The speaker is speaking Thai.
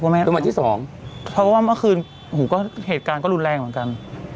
เมื่อคืนเหตุการณ์ก็รุนแรงเหมือนกัน